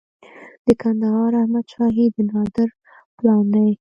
د کندهار احمد شاهي د نادر پلان دی